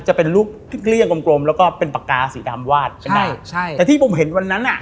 จะเป็นลูกเกลี้ยกลมกลมแล้วก็เป็นปากกาสีดำวาดเป็นในใช่แต่ที่ผมเห็นวันนั้นอ่ะ